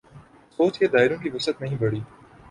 سوچ کے دائروں کی وسعت نہیں بڑھی۔